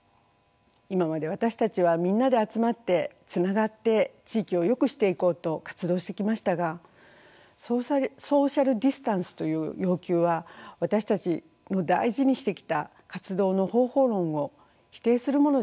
今まで私たちはみんなで集まってつながって地域をよくしていこうと活動してきましたがソーシャルディスタンスという要求は私たちの大事にしてきた活動の方法論を否定するものでした。